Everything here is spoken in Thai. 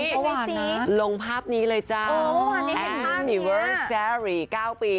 มันก็หวานนะลงภาพนี้เลยจ้ะแอนดิเวอร์แซรี่๙ปี